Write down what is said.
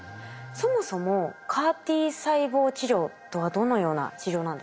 そもそもＣＡＲ−Ｔ細胞治療とはどのような治療なんですか？